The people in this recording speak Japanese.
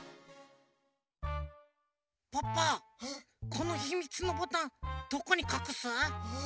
このひみつのボタンどこにかくす？